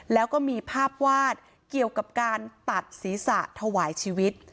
แล้วก็มีภาพวาดเกี่ยวกับการตัดศีรษะถวายชีวิต